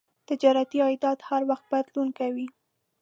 تجارتي عایدات هر وخت بدلون کوي.